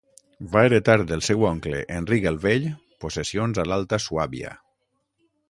Va heretar del seu oncle Enric el Vell possessions a l'Alta Suàbia.